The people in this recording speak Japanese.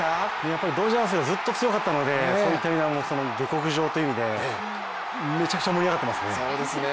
やっぱりドジャースはずっと強かったのでそういった意味では下克上という意味でめちゃくちゃ盛り上がってますね。